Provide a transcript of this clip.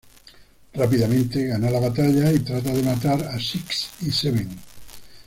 Rápidamente gana la batalla, y trata de matar a Six y Seven.